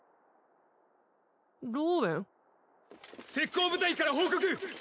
斥候部隊から報告！